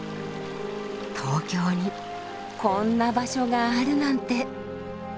東京にこんな場所があるなんて。